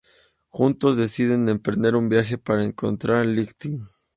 Juntos deciden emprender un viaje para encontrar a Lightning...